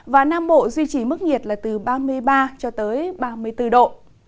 và nam bộ duy trì mức nhiệt là từ ba mươi ba cho tới ba mươi bốn độ